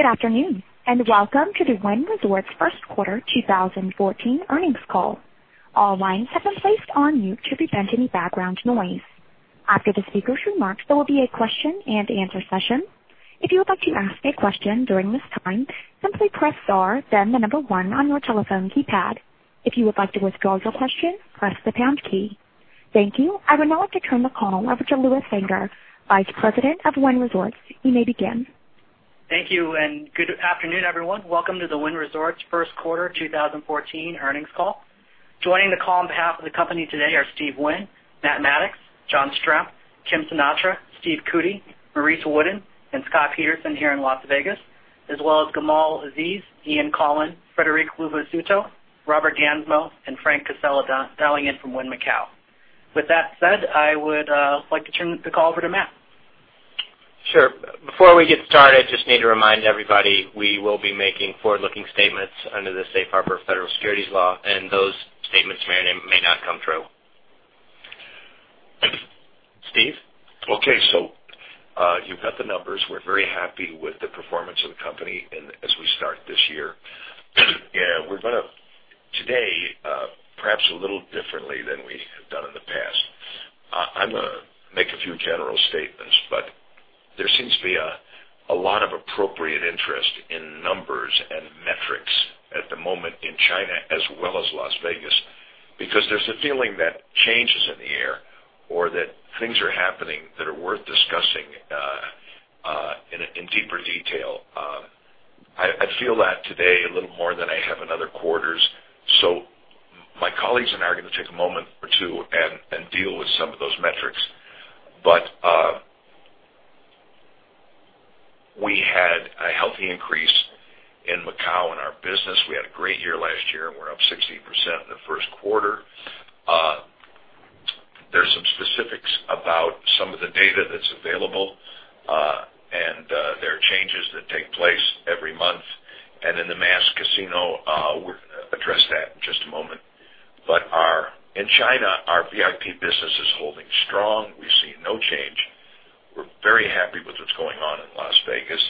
Good afternoon, and welcome to the Wynn Resorts first quarter 2014 earnings call. All lines have been placed on mute to prevent any background noise. After the speakers' remarks, there will be a question-and-answer session. If you would like to ask a question during this time, simply press star then the number 1 on your telephone keypad. If you would like to withdraw your question, press the pound key. Thank you. I would now like to turn the call over to Lewis Ginter, Vice President of Wynn Resorts. You may begin. Thank you, and good afternoon, everyone. Welcome to the Wynn Resorts first quarter 2014 earnings call. Joining the call on behalf of the company today are Steve Wynn, Matt Maddox, John Strzemp, Kim Sinatra, Stephen Cootey, Maurice Wooden, and Scott Peterson here in Las Vegas, as well as Gamal Aziz, Ian Coughlan, Frederic Luvisutto, Robert Gansmo, and Frank Cassella, dialing in from Wynn Macau. With that said, I would like to turn the call over to Matt. Sure. Before we get started, we just need to remind everybody, we will be making forward-looking statements under the safe harbor federal securities law, and those statements may or may not come true. Steve? Okay. You've got the numbers. We're very happy with the performance of the company and as we start this year. Today, perhaps a little differently than we have done in the past, I'm going to make a few general statements, but there seems to be a lot of appropriate interest in numbers and metrics at the moment in China as well as Las Vegas, because there's a feeling that change is in the air or that things are happening that are worth discussing in deeper detail. I feel that today a little more than I have in other quarters. My colleagues and I are going to take a moment or two and deal with some of those metrics. We had a healthy increase in Macau in our business. We had a great year last year, and we're up 16% in the first quarter. There's some specifics about some of the data that's available. There are changes that take place every month. In the mass casino, we're going to address that in just a moment. In China, our VIP business is holding strong. We see no change. We're very happy with what's going on in Las Vegas.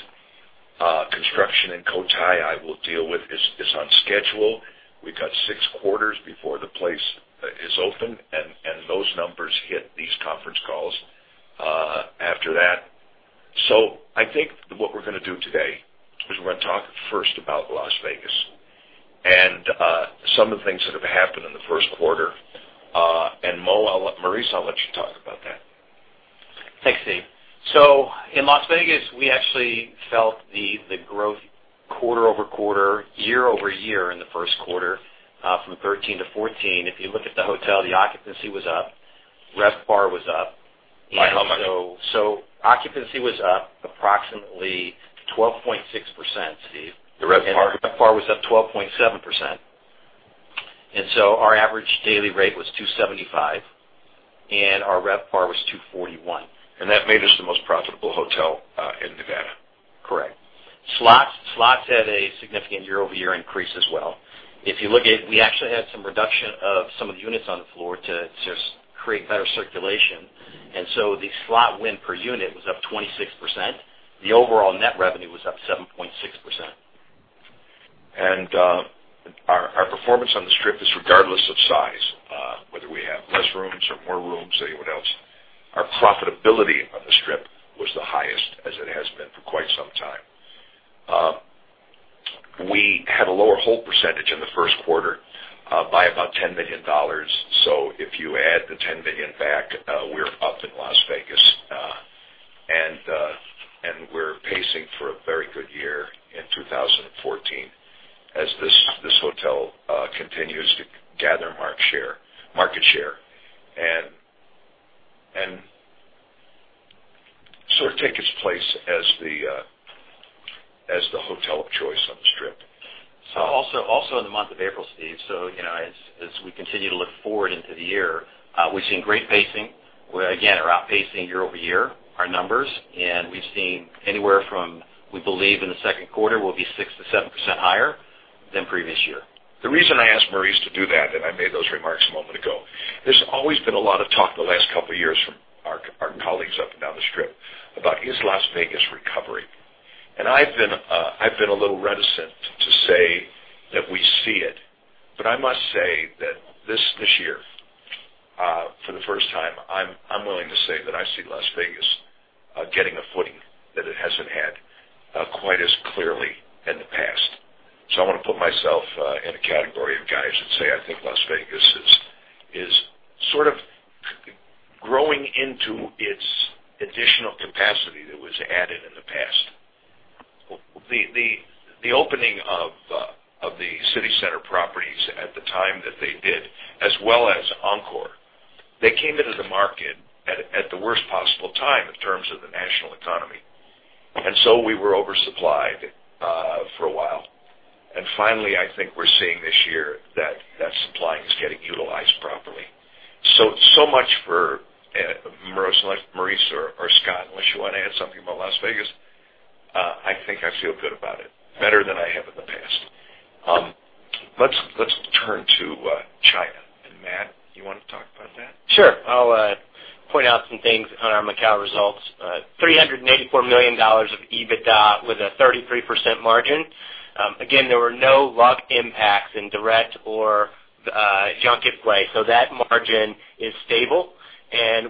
Construction in Cotai, I will deal with, is on schedule. We've got six quarters before the place is open, and those numbers hit these conference calls after that. I think what we're going to do today is we're going to talk first about Las Vegas and some of the things that have happened in the first quarter. Maurice, I'll let you talk about that. Thanks, Steve. In Las Vegas, we actually felt the growth quarter-over-quarter, year-over-year in the first quarter from 2013 to 2014. If you look at the hotel, the occupancy was up, RevPAR was up. By how much? Occupancy was up approximately 12.6%, Steve. The RevPAR? RevPAR was up 12.7%. Our average daily rate was $275, and our RevPAR was $241. That made us the most profitable hotel in Nevada. Correct. Slots had a significant year-over-year increase as well. We actually had some reduction of some of the units on the floor to just create better circulation, and so the slot win per unit was up 26%. The overall net revenue was up 7.6%. Our performance on the Strip is regardless of size, whether we have less rooms or more rooms or anyone else. Our profitability on the Strip was the highest as it has been for quite some time. We had a lower hold percentage in the first quarter by about $10 million. If you add the $10 million back, we're up in Las Vegas, and we're pacing for a very good year in 2014 as this hotel continues to gather market share and sort of take its place as the hotel of choice on the Strip. Also in the month of April, Steve, as we continue to look forward into the year, we've seen great pacing. We again are outpacing year-over-year, our numbers, and we've seen anywhere from, we believe in the second quarter, we'll be 6%-7% higher than previous year. The reason I asked Maurice to do that, I made those remarks a moment ago, there's always been a lot of talk the last couple of years from our colleagues up and down the Strip about, is Las Vegas recovering? I've been a little reticent to say that we see it, I must say that this year, for the first time, I'm willing to say that I see Las Vegas getting a footing that it hasn't had quite as clearly in the past. I want to put myself in a category of guys that say I think Las Vegas is sort of growing into its additional capacity that was added in the past. The opening of the CityCenter properties at the time that they did, as well as Encore. They came into the market at the worst possible time in terms of the national economy, we were oversupplied for a while. Finally, I think we're seeing this year that that supply is getting utilized properly. So much for Maurice or Scott, unless you want to add something about Las Vegas. I think I feel good about it, better than I have in the past. Sure. I'll point out some things on our Macau results. $384 million of EBITDA with a 33% margin. Again, there were no luck impacts in direct or junket play, so that margin is stable.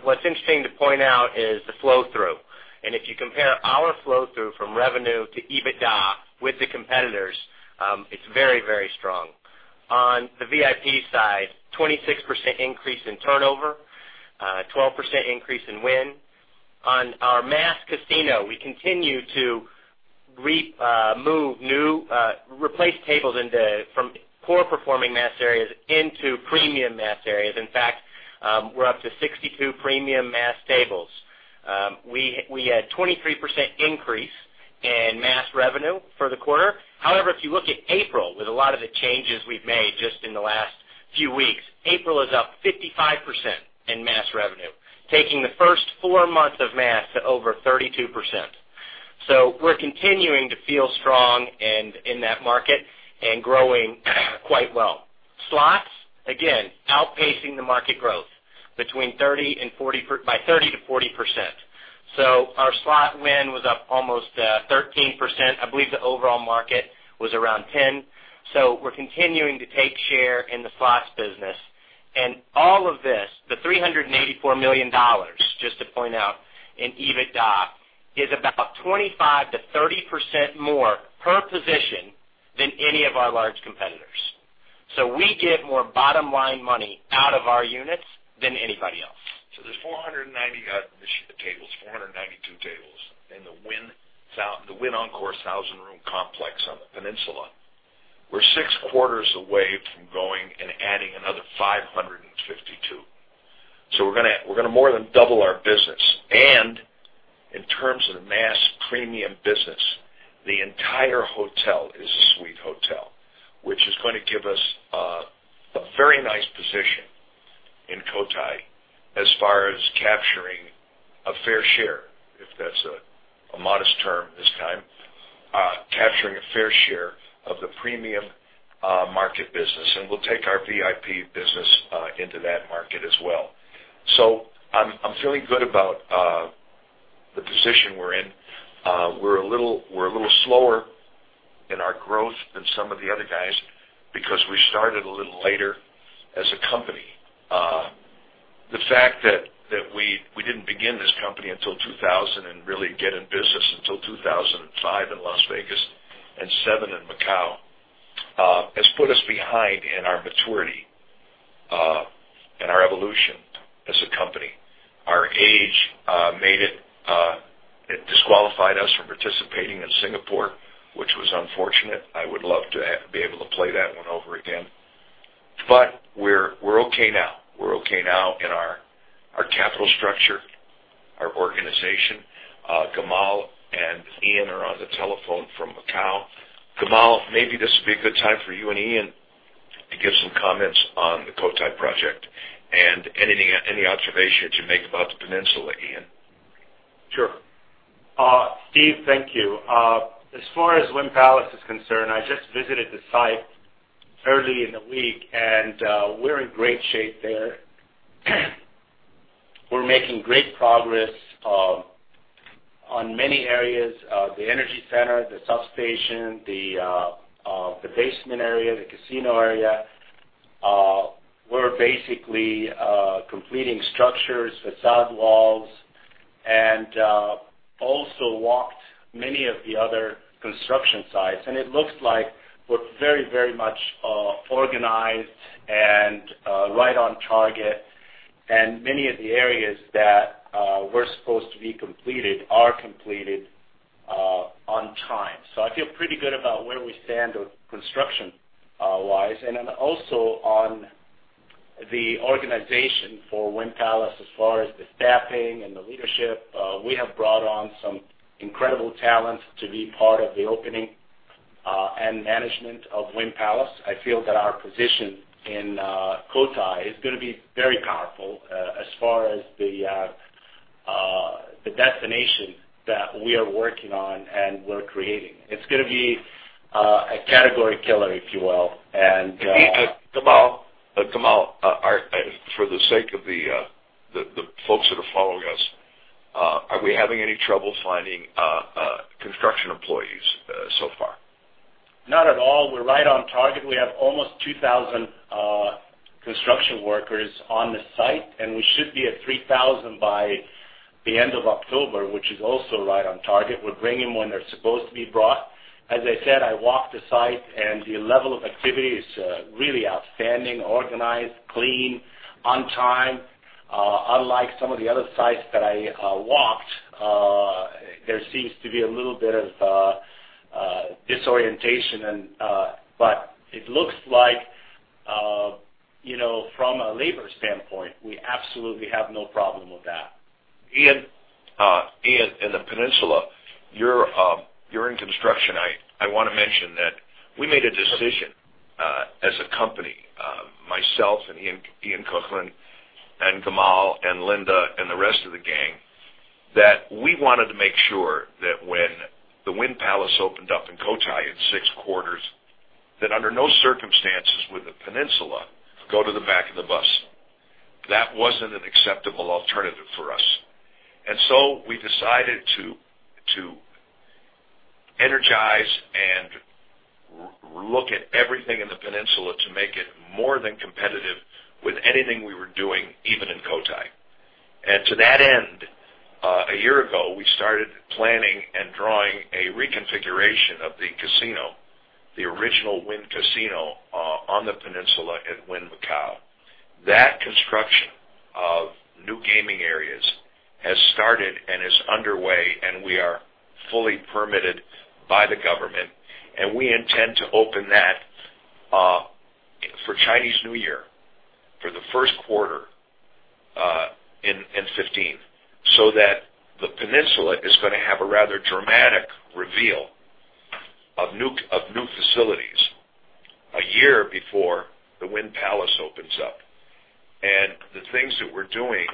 What's interesting to point out is the flow-through. If you compare our flow-through from revenue to EBITDA with the competitors, it's very, very strong. On the VIP side, 26% increase in turnover, 12% increase in win. On our mass casino, we continue to replace tables from poor-performing mass areas into premium mass areas. In fact, we're up to 62 premium mass tables. We had 23% increase in mass revenue for the quarter. However, if you look at April, with a lot of the changes we've made just in the last few weeks, April is up 55% in mass revenue, taking the first four months of mass to over 32%. We're continuing to feel strong in that market and growing quite well. Slots, again, outpacing the market growth by 30%-40%. Our slot win was up almost 13%. I believe the overall market was around 10. We're continuing to take share in the slots business. All of this, the $384 million, just to point out in EBITDA, is about 25%-30% more per position than any of our large competitors. We get more bottom-line money out of our units than anybody else. There's 492 tables in the Wynn Encore thousand-room complex on the Peninsula. We're 6 quarters away from going and adding another 552. We're going to more than double our business. In terms of the mass premium business, the entire hotel is a suite hotel, which is going to give us a very nice position in Cotai as far as capturing a fair share, if that's a modest term this time, capturing a fair share of the premium market business. We'll take our VIP business into that market as well. I'm feeling good about the position we're in. We're a little slower in our growth than some of the other guys because we started a little later as a company. The fact that we didn't begin this company until 2000 and really get in business until 2005 in Las Vegas and 2007 in Macau, has put us behind in our maturity and our evolution as a company. Our age disqualified us from participating in Singapore, which was unfortunate. I would love to be able to play that one over again. We're okay now. We're okay now in our capital structure, our organization. Gamal and Ian are on the telephone from Macau. Gamal, maybe this would be a good time for you and Ian to give some comments on the Cotai project and any observations you make about the Peninsula, Ian. Sure. Steve, thank you. As far as Wynn Palace is concerned, I just visited the site early in the week, and we're in great shape there. We're making great progress on many areas, the energy center, the substation, the basement area, the casino area. We're basically completing structures, facade walls, and also walked many of the other construction sites. It looks like we're very, very much organized and right on target. Many of the areas that were supposed to be completed are completed on time. I feel pretty good about where we stand construction-wise. Also on the organization for Wynn Palace, as far as the staffing and the leadership, we have brought on some incredible talent to be part of the opening and management of Wynn Palace. I feel that our position in Cotai is going to be very powerful as far as the destination that we are working on and we're creating. It's going to be a category killer, if you will. Gamal, for the sake of the folks that are following us, are we having any trouble finding construction employees so far? Not at all. We're right on target. We have almost 2,000 construction workers on the site, and we should be at 3,000 by the end of October, which is also right on target. We're bringing when they're supposed to be brought. As I said, I walked the site, and the level of activity is really outstanding, organized, clean, on time. Unlike some of the other sites that I walked there seems to be a little bit of disorientation. It looks like from a labor standpoint, we absolutely have no problem with that. Ian, in the Peninsula, you're in construction. I want to mention that we made a decision as a company, myself and Ian Coughlan and Gamal and Linda and the rest of the gang. We wanted to make sure that when the Wynn Palace opened up in Cotai in 6 quarters, that under no circumstances would the Peninsula go to the back of the bus. That wasn't an acceptable alternative for us. We decided to energize and look at everything in the Peninsula to make it more than competitive with anything we were doing, even in Cotai. To that end, a year ago, we started planning and drawing a reconfiguration of the casino, the original Wynn Macau on the Peninsula at Wynn Macau. Construction of new gaming areas has started and is underway, and we are fully permitted by the government, and we intend to open that for Chinese New Year, for the first quarter in 2015. The Peninsula is going to have a rather dramatic reveal of new facilities a year before the Wynn Palace opens up. The things that we're doing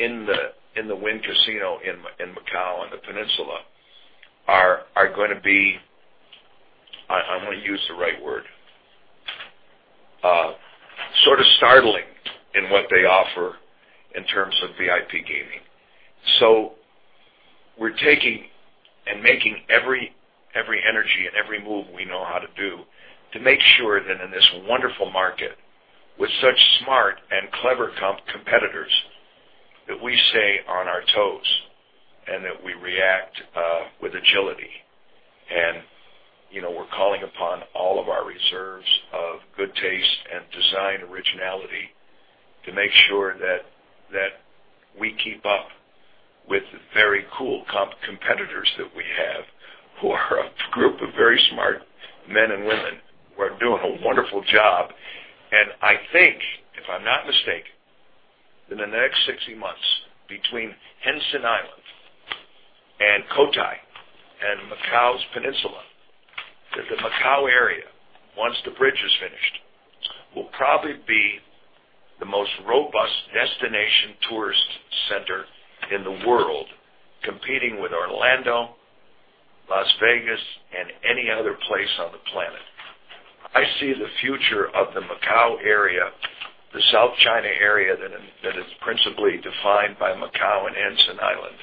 in the Wynn Macau in Macau on the Peninsula are going to be, I want to use the right word, sort of startling in what they offer in terms of VIP gaming. We're taking and making every energy and every move we know how to do to make sure that in this wonderful market, with such smart and clever competitors, that we stay on our toes and that we react with agility. We're calling upon all of our reserves of good taste and design originality to make sure that we keep up with very cool competitors that we have, who are a group of very smart men and women who are doing a wonderful job. I think, if I'm not mistaken, that in the next 60 months between Hengqin Island and Cotai and Macau's Peninsula, that the Macau area, once the bridge is finished, will probably be the most robust destination tourist center in the world, competing with Orlando, Las Vegas, and any other place on the planet. I see the future of the Macau area, the South China area that is principally defined by Macau and Hengqin Island,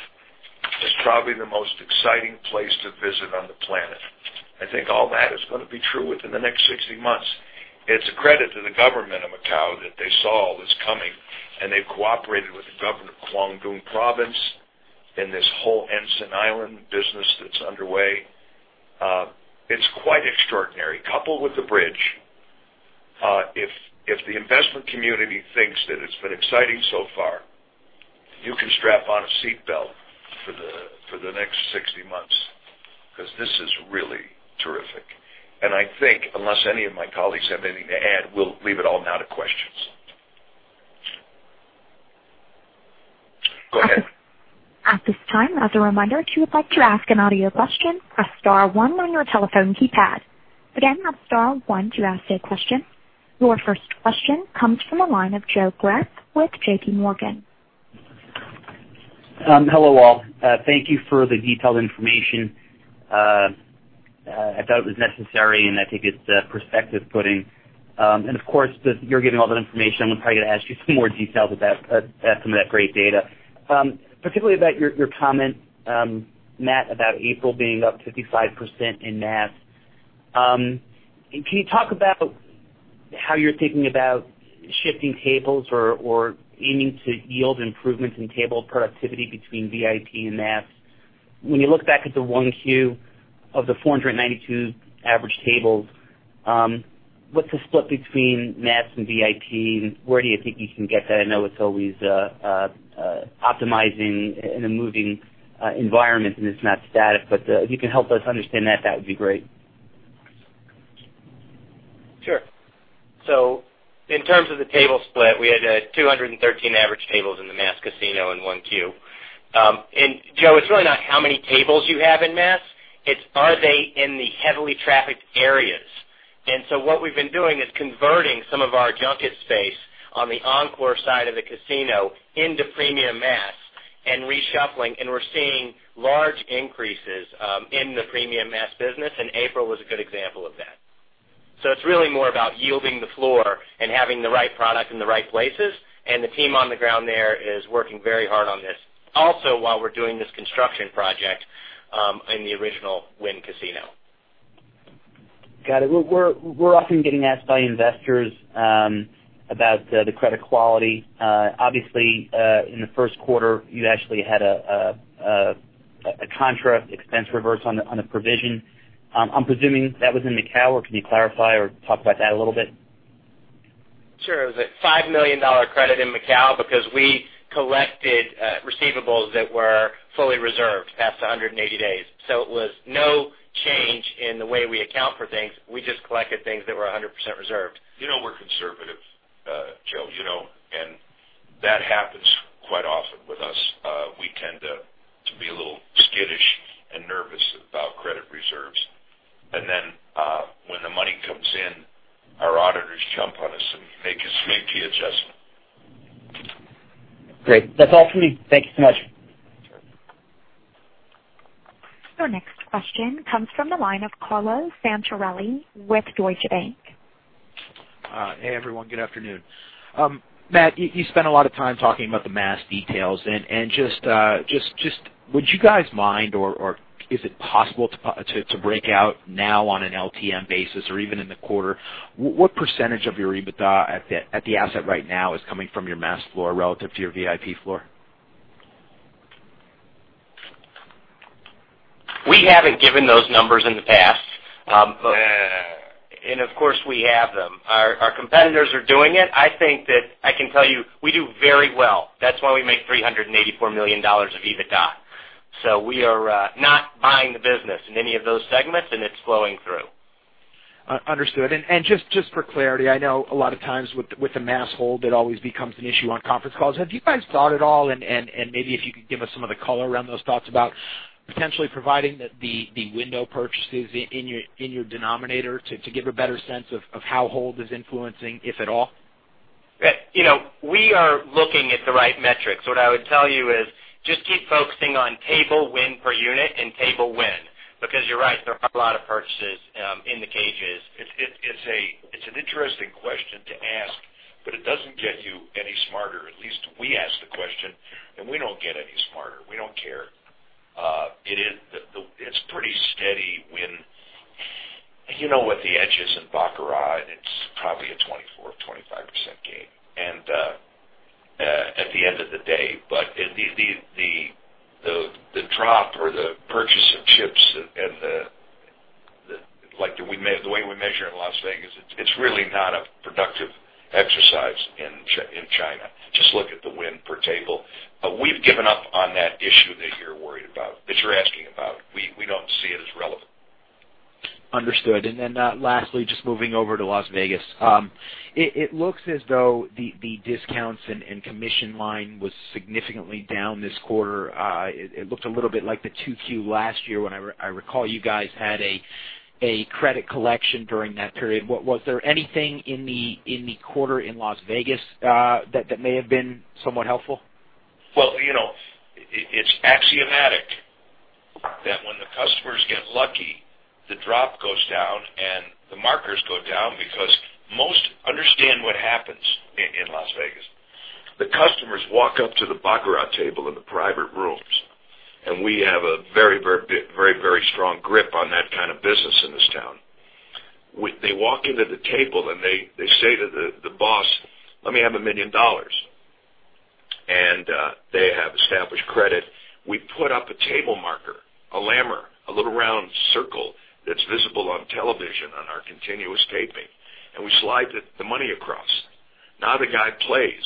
as probably the most exciting place to visit on the planet. I think all that is going to be true within the next 60 months. It's a credit to the government of Macau that they saw all this coming, and they've cooperated with the government of Guangdong Province in this whole Hengqin Island business that's underway. It's quite extraordinary. Coupled with the bridge, if the investment community thinks that it's been exciting so far, you can strap on a seat belt for the next 60 months, because this is really terrific. I think, unless any of my colleagues have anything to add, we'll leave it all now to questions. Go ahead. At this time, as a reminder, if you would like to ask an audio question, press *1 on your telephone keypad. Again, that's *1 to ask a question. Your first question comes from the line of Joe Greff with J.P. Morgan. Hello, all. Thank you for the detailed information. I thought it was necessary, and I think it's perspective putting. Of course, you're giving all that information, I'm going to probably ask you some more details about some of that great data. Particularly about your comment, Matt, about April being up 55% in mass. Can you talk about how you're thinking about shifting tables or aiming to yield improvements in table productivity between VIP and mass? When you look back at the 1Q of the 492 average tables, what's the split between mass and VIP, and where do you think you can get that? I know it's always optimizing in a moving environment, and it's not static, but if you can help us understand that would be great. Sure. In terms of the table split, we had 213 average tables in the mass casino in 1Q. Joe, it's really not how many tables you have in mass, it's, are they in the heavily trafficked areas. What we've been doing is converting some of our junket space on the Encore side of the casino into premium mass and reshuffling, and we're seeing large increases in the premium mass business, and April was a good example of that. It's really more about yielding the floor and having the right product in the right places, and the team on the ground there is working very hard on this. Also, while we're doing this construction project in the original Wynn Macau casino. Got it. We're often getting asked by investors about the credit quality. Obviously, in the first quarter, you actually had a contract expense reverse on a provision. I'm presuming that was in Macau, or can you clarify or talk about that a little bit? Sure. It was a $5 million credit in Macau because we collected receivables that were fully reserved past 180 days. It was no change in the way we account for things. We just collected things that were 100% reserved. You know we're conservative, Joe. That happens quite often with us. We tend to be a little skittish and nervous about credit reserves. On us and make the adjustment. Great. That's all for me. Thank you so much. Your next question comes from the line of Carlo Santarelli with Deutsche Bank. Hey, everyone. Good afternoon. Matt, you spent a lot of time talking about the mass details. Just would you guys mind or is it possible to break out now on an LTM basis or even in the quarter, what percentage of your EBITDA at the asset right now is coming from your mass floor relative to your VIP floor? We haven't given those numbers in the past. Of course, we have them. Our competitors are doing it. I think that I can tell you we do very well. That's why we make $384 million of EBITDA. We are not buying the business in any of those segments, and it's flowing through. Understood. Just for clarity, I know a lot of times with the mass hold, it always becomes an issue on conference calls. Have you guys thought at all, and maybe if you could give us some of the color around those thoughts about potentially providing the window purchases in your denominator to give a better sense of how hold is influencing, if at all? We are looking at the right metrics. What I would tell you is just keep focusing on table win per unit and table win, because you're right, there are a lot of purchases in the cages. It's an interesting question to ask, but it doesn't get you any smarter. At least we ask the question, and we don't get any smarter. We don't care. It's pretty steady win. You know what the edge is in baccarat, and it's probably a 24% or 25% gain at the end of the day. The drop or the purchase of chips and the way we measure in Las Vegas, it's really not a productive exercise in China. Just look at the win per table. We've given up on that issue that you're worried about, that you're asking about. We don't see it as relevant. Understood. Lastly, just moving over to Las Vegas. It looks as though the discounts and commission line was significantly down this quarter. It looked a little bit like the 2Q last year when I recall you guys had a credit collection during that period. Was there anything in the quarter in Las Vegas that may have been somewhat helpful? Well, it's axiomatic that when the customers get lucky, the drop goes down and the markers go down because most understand what happens in Las Vegas. The customers walk up to the baccarat table in the private rooms, and we have a very strong grip on that kind of business in this town. They walk into the table, and they say to the boss, "Let me have $1 million." They have established credit. We put up a table marker, a lammer, a little round circle that's visible on television on our continuous taping, and we slide the money across. Now the guy plays.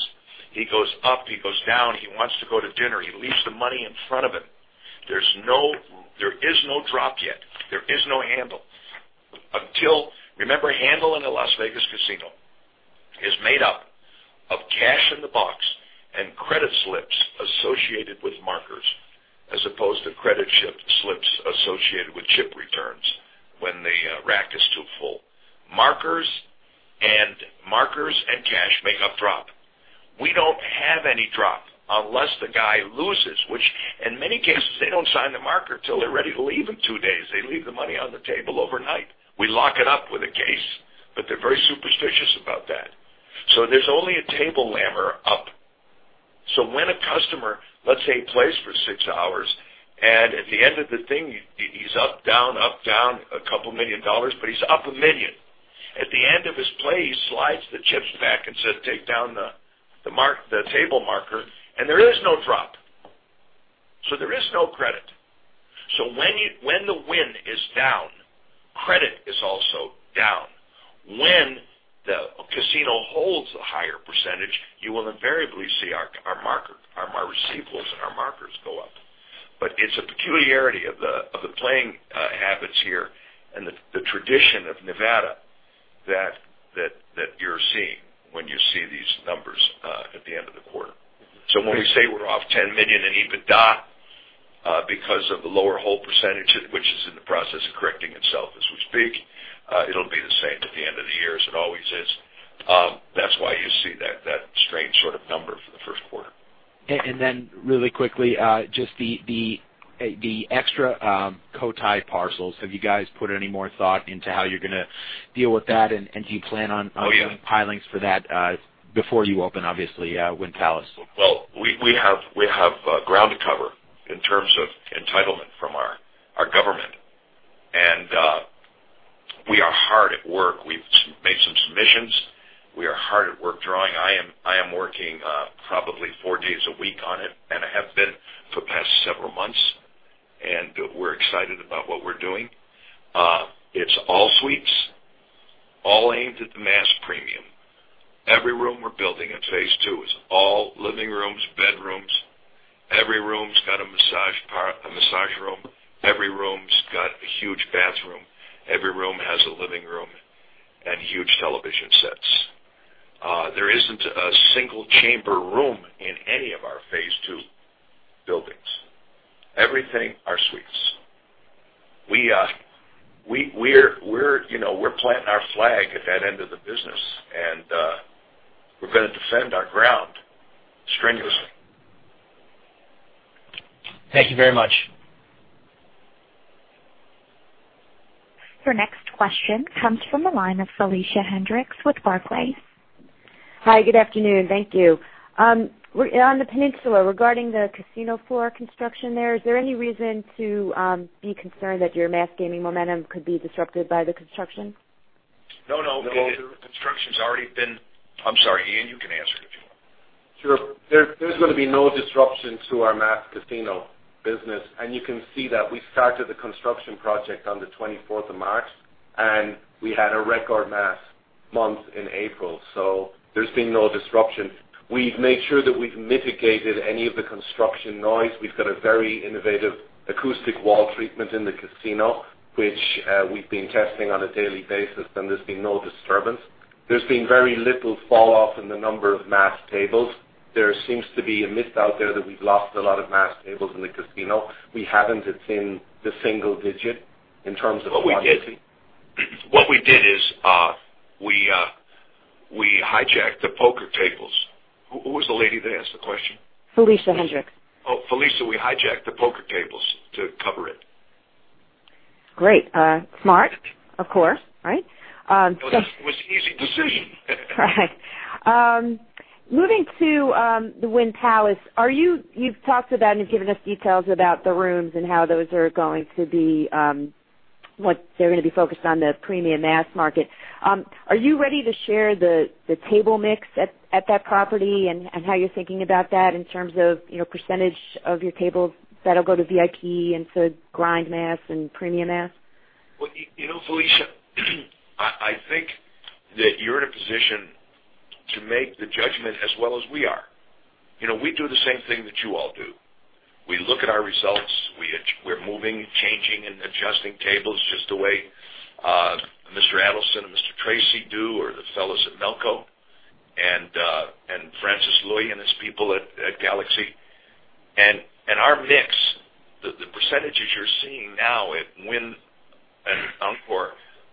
He goes up, he goes down, he wants to go to dinner. He leaves the money in front of him. There is no drop yet. There is no handle. Remember, handle in a Las Vegas casino is made up of cash in the box and credit slips associated with markers, as opposed to credit slips associated with chip returns when the rack is too full. Markers and cash make up drop. We don't have any drop unless the guy loses, which in many cases, they don't sign the marker till they're ready to leave in two days. They leave the money on the table overnight. We lock it up with a case, but they're very superstitious about that. There's only a table lammer up. When a customer, let's say, plays for six hours, and at the end of the thing, he's up, down, up, down a couple million dollars, but he's up $1 million. At the end of his play, he slides the chips back and says, "Take down the table marker." There is no drop. There is no credit. When the win is down, credit is also down. When the casino holds a higher percentage, you will invariably see our receivables and our markers go up. It's a peculiarity of the playing habits here and the tradition of Nevada that you're seeing when you see these numbers at the end of the quarter. When we say we're off $10 million in EBITDA because of the lower hold percentage, which is in the process of correcting itself as we speak, it'll be the same at the end of the year as it always is. That's why you see that strange sort of number for the first quarter. Really quickly, just the extra Cotai parcels. Have you guys put any more thought into how you're going to deal with that? Do you plan on- Oh, yeah doing pilings for that before you open, obviously, Wynn Palace? Well, we have ground to cover in terms of entitlement from our government. We are hard at work. We've made some submissions. We are hard at work drawing. I am working probably four days a week on it, and I have been for the past several months, and we're excited about what we're doing. It's all suites, all aimed at the mass premium. Every room we're building in phase two is all living rooms, bedrooms. Every room's got a massage room. Every room's got a huge bathroom. Every room has a living room and huge television sets. There isn't a single chamber room in any of our phase two buildings. Everything are suites. We're planting our flag at that end of the business, and we're going to defend our ground strenuously. Thank you very much. Your next question comes from the line of Felicia Hendrix with Barclays. Hi, good afternoon. Thank you. On the Peninsula, regarding the casino floor construction there, is there any reason to be concerned that your mass gaming momentum could be disrupted by the construction? No. The construction's already been. I'm sorry, Ian, you can answer it if you want. Sure. There's going to be no disruption to our mass casino business. You can see that we started the construction project on the 24th of March, and we had a record mass month in April, so there's been no disruption. We've made sure that we've mitigated any of the construction noise. We've got a very innovative acoustic wall treatment in the casino, which we've been testing on a daily basis, and there's been no disturbance. There's been very little fall off in the number of mass tables. There seems to be a myth out there that we've lost a lot of mass tables in the casino. We haven't. It's in the single digit in terms of quantity. What we did is, we hijacked the poker tables. Who was the lady that asked the question? Felicia Hendrix. Oh, Felicia, we hijacked the poker tables to cover it. Great. Smart, of course, right? It was easy to see. Right. Moving to the Wynn Palace. You've talked about and given us details about the rooms and how those are going to be focused on the premium mass market. Are you ready to share the table mix at that property, and how you're thinking about that in terms of % of your tables that'll go to VIP and to grind mass and premium mass? Felicia, I think that you're in a position to make the judgment as well as we are. We do the same thing that you all do. We look at our results. We're moving, changing, and adjusting tables just the way Mr. Adelson and Mr. Tracy do, or the fellows at Melco, and Francis Lui and his people at Galaxy. Our mix, the percentages you're seeing now at Wynn and Encore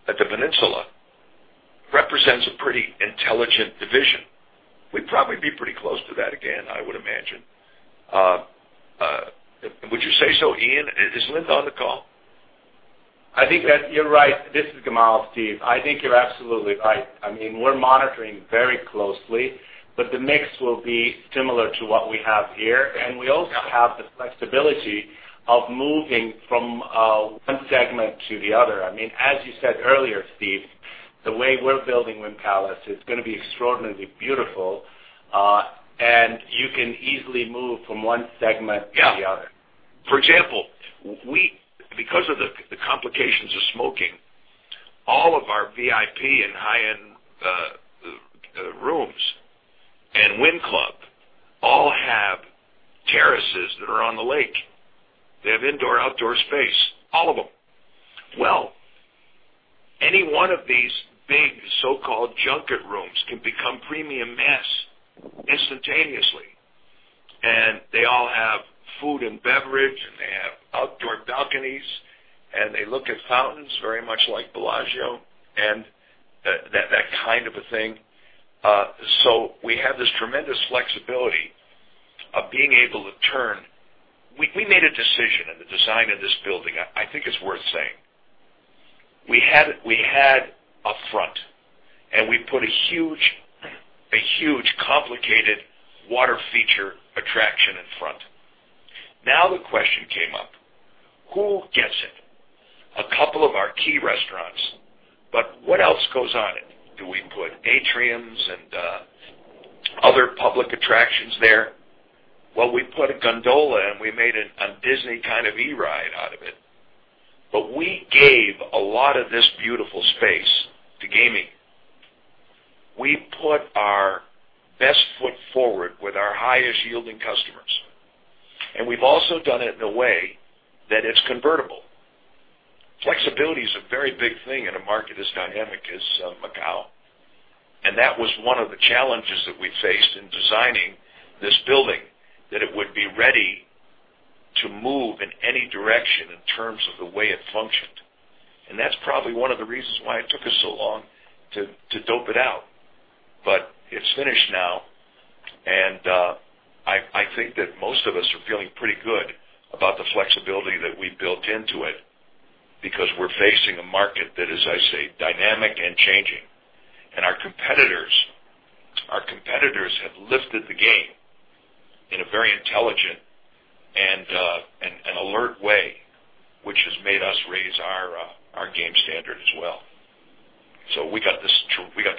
at the Peninsula, represents a pretty intelligent division. We'd probably be pretty close to that again, I would imagine. Would you say so, Ian? Is Linda on the call? I think that you're right. This is Gamal, Steve. I think you're absolutely right. We're monitoring very closely, but the mix will be similar to what we have here, and we also have the flexibility of moving from one segment to the other. As you said earlier, Steve, the way we're building Wynn Palace, it's going to be extraordinarily beautiful. You can easily move from one segment to the other. For example, because of the complications of smoking, all of our VIP and high-end rooms and Wynn Club all have terraces that are on the lake. They have indoor/outdoor space, all of them. Well, any one of these big so-called junket rooms can become premium mass instantaneously. They all have food and beverage, and they have outdoor balconies, and they look at fountains very much like Bellagio and that kind of a thing. We have this tremendous flexibility of being able to turn. We made a decision in the design of this building, I think it's worth saying. We had a front, and we put a huge, complicated water feature attraction in front. The question came up, who gets it? A couple of our key restaurants, but what else goes on it? Do we put atriums and other public attractions there? We put a gondola and we made a Disney kind of e-ride out of it. We gave a lot of this beautiful space to gaming. We put our best foot forward with our highest-yielding customers, and we've also done it in a way that it's convertible. Flexibility is a very big thing in a market as dynamic as Macau, and that was one of the challenges that we faced in designing this building, that it would be ready to move in any direction in terms of the way it functioned. That's probably one of the reasons why it took us so long to dope it out. It's finished now, and I think that most of us are feeling pretty good about the flexibility that we built into it, because we're facing a market that is, as I say, dynamic and changing. Our competitors have lifted the game in a very intelligent and alert way, which has made us raise our game standard as well. We got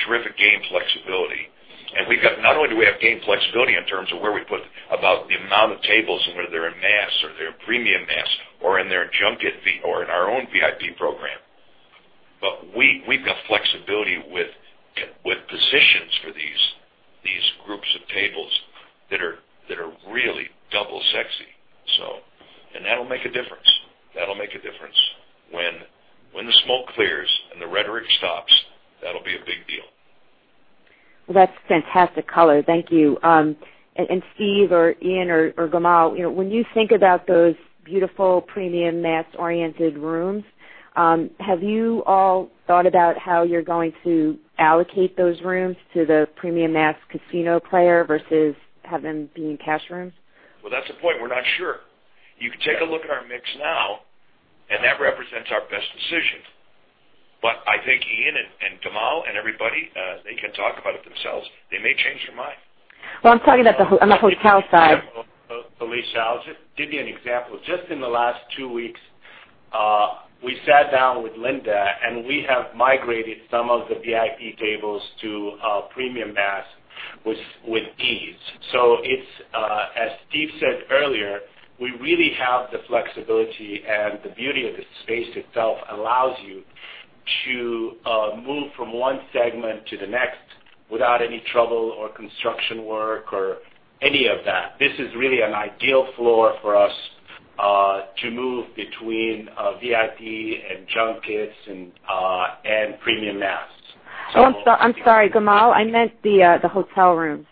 terrific game flexibility, and not only do we have game flexibility in terms of where we put about the amount of tables and whether they're in mass or they're in premium mass or in their junket or in our own VIP program. We've got flexibility with positions for these groups of tables that are really double sexy. That'll make a difference. That'll make a difference. When the smoke clears and the rhetoric stops. Well, that's fantastic color. Thank you. Steve or Ian or Gamal, when you think about those beautiful premium mass-oriented rooms, have you all thought about how you're going to allocate those rooms to the premium mass casino player versus have them be in cash rooms? Well, that's the point. We're not sure. You can take a look at our mix now, and that represents our best decision. I think Ian and Gamal and everybody, they can talk about it themselves. They may change their mind. Well, I'm talking about on the hotel side. Felicia, I'll just give you an example. Just in the last two weeks, we sat down with Linda, and we have migrated some of the VIP tables to premium mass with ease. As Steve said earlier, we really have the flexibility, and the beauty of the space itself allows you to move from one segment to the next without any trouble or construction work or any of that. This is really an ideal floor for us to move between VIP and junkets and premium mass. Oh, I'm sorry, Gamal. I meant the hotel rooms.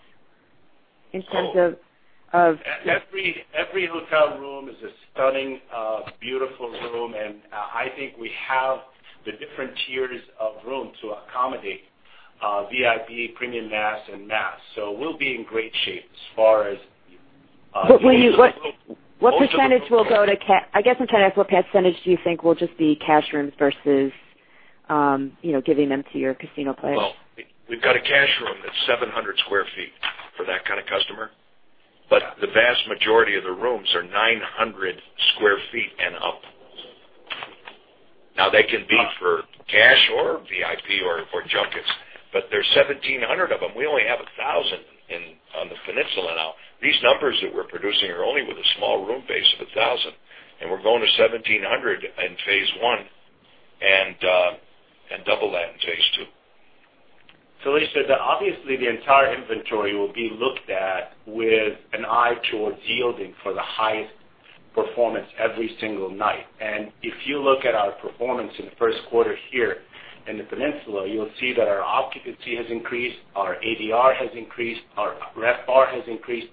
Every hotel room is a stunning, beautiful room, and I think we have the different tiers of room to accommodate VIP, premium mass, and mass. We'll be in great shape. I guess I'm trying to ask, what percentage do you think will just be cash rooms versus giving them to your casino players? Well, we've got a cash room that's 700 sq ft for that kind of customer, but the vast majority of the rooms are 900 sq ft and up. Now, they can be for cash or VIP or junkets, but there's 1,700 of them. We only have 1,000 on the Peninsula now. These numbers that we're producing are only with a small room base of 1,000, and we're going to 1,700 in phase 1 and double that in phase 2. Felicia, obviously, the entire inventory will be looked at with an eye towards yielding for the highest performance every single night. If you look at our performance in the first quarter here in the Peninsula, you'll see that our occupancy has increased, our ADR has increased, our RevPAR has increased.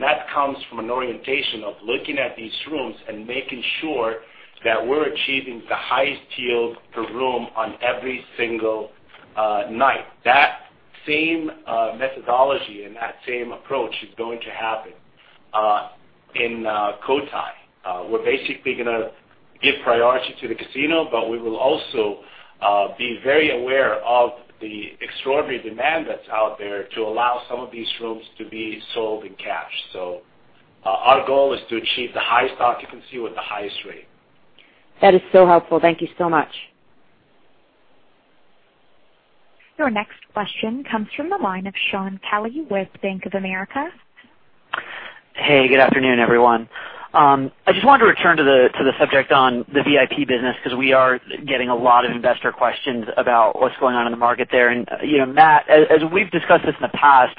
That comes from an orientation of looking at these rooms and making sure that we're achieving the highest yield per room on every single night. That same methodology and that same approach is going to happen in Cotai. We're basically going to give priority to the casino, but we will also be very aware of the extraordinary demand that's out there to allow some of these rooms to be sold in cash. Our goal is to achieve the highest occupancy with the highest rate. That is so helpful. Thank you so much. Your next question comes from the line of Shaun Kelley with Bank of America. Hey, good afternoon, everyone. I just wanted to return to the subject on the VIP business because we are getting a lot of investor questions about what's going on in the market there. Matt, as we've discussed this in the past,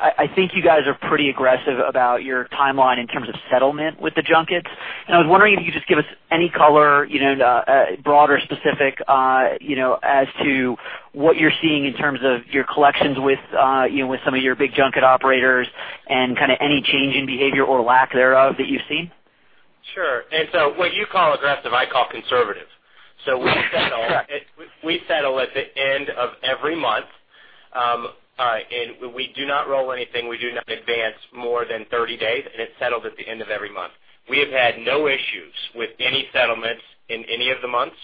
I think you guys are pretty aggressive about your timeline in terms of settlement with the junkets. I was wondering if you could just give us any color, broad or specific, as to what you're seeing in terms of your collections with some of your big junket operators and any change in behavior or lack thereof that you've seen. Sure. What you call aggressive, I call conservative. We settle at the end of every month. We do not roll anything. We do not advance more than 30 days, and it's settled at the end of every month. We have had no issues with any settlements in any of the months,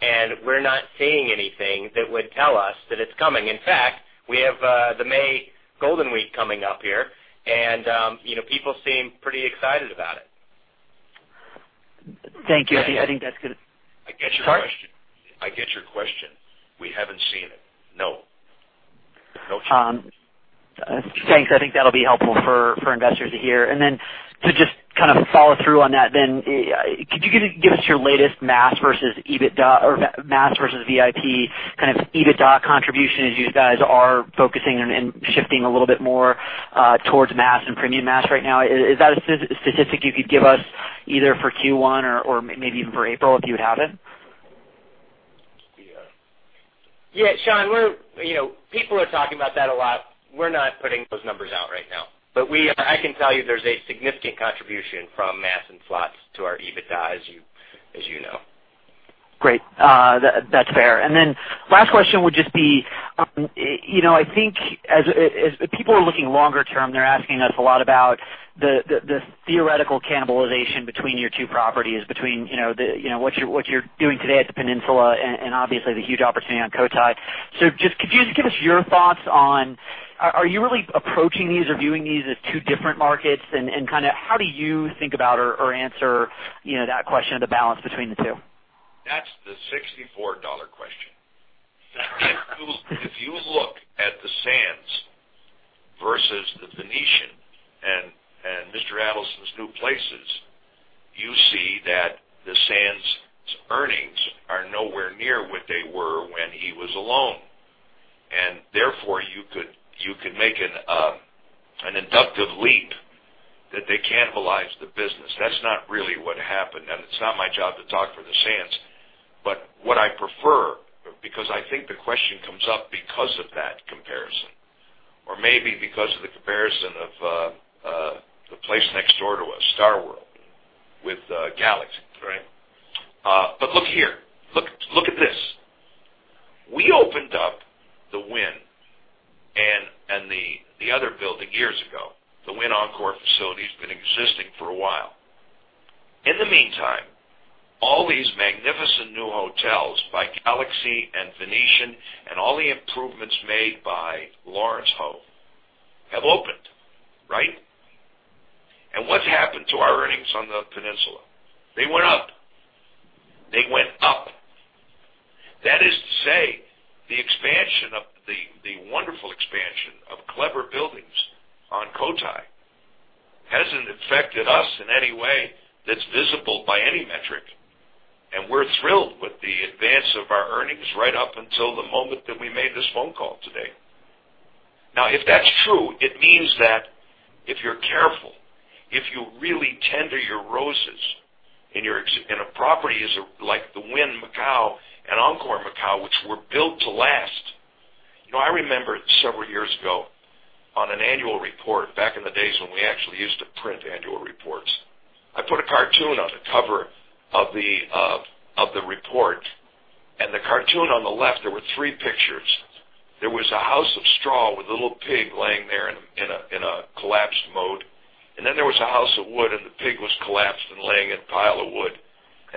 and we're not seeing anything that would tell us that it's coming. In fact, we have the May Golden Week coming up here, and people seem pretty excited about it. Thank you. I think that's good. I get your question. Sorry? I get your question. We haven't seen it. No. No chance. Thanks. I think that'll be helpful for investors to hear. To just follow through on that, then could you give us your latest mass versus EBITDA or mass versus VIP kind of EBITDA contribution as you guys are focusing and shifting a little bit more towards mass and premium mass right now? Is that a statistic you could give us either for Q1 or maybe even for April, if you would have it? Yeah, Shaun, people are talking about that a lot. We're not putting those numbers out right now. I can tell you there's a significant contribution from mass and slots to our EBITDA, as you know. Great. That's fair. Last question would just be, I think as people are looking longer term, they're asking us a lot about the theoretical cannibalization between your two properties, between what you're doing today at the Peninsula and obviously the huge opportunity on Cotai. Just could you give us your thoughts on, are you really approaching these or viewing these as two different markets? How do you think about or answer that question of the balance between the two? That's the $64 question. If you look at the Sands versus the Venetian and Mr. Adelson's new places, you see that the Sands' earnings are nowhere near what they were when he was alone. Therefore, you could make an inductive leap that they cannibalize the business. That's not really what happened, and it's not my job to talk for the Sands. What I prefer, because I think the question comes up because of that comparison, or maybe because of the comparison of the place next door to us, StarWorld, with Galaxy. Right. Look here, look at this. We opened up the Wynn and the other building years ago. The Wynn Encore facility has been existing for a while. In the meantime, all these magnificent new hotels by Galaxy and Venetian and all the improvements made by Lawrence Ho have opened. Right? What's happened to our earnings on the Peninsula? They went up. That is to say, the wonderful expansion of clever buildings on Cotai hasn't affected us in any way that's visible by any metric, and we're thrilled with the advance of our earnings right up until the moment that we made this phone call today. If that's true, it means that if you're careful, if you really tender your roses in properties like the Wynn Macau and Encore Macau, which were built to last I remember it several years ago on an annual report, back in the days when we actually used to print annual reports. I put a cartoon on the cover of the report and the cartoon on the left, there were three pictures. There was a house of straw with a little pig laying there in a collapsed mode, and then there was a house of wood, and the pig was collapsed and laying in a pile of wood.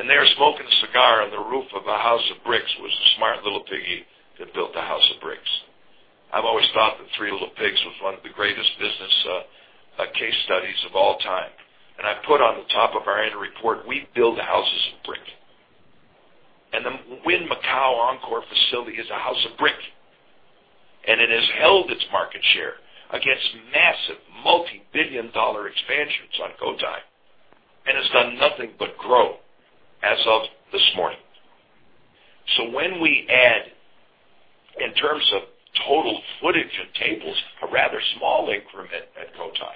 There, smoking a cigar on the roof of a house of bricks, was the smart little piggy that built the house of bricks. I've always thought the Three Little Pigs was one of the greatest business case studies of all time. I put on the top of our annual report, "We build houses of brick." The Wynn Macau Encore facility is a house of brick, and it has held its market share against massive, multi-billion dollar expansions on Cotai, and has done nothing but grow as of this morning. When we add, in terms of total footage of tables, a rather small increment at Cotai,